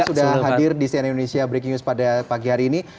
sudah hadir di cnn indonesia breaking news pada pagi hari ini